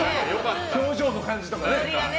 表情の感じとかね。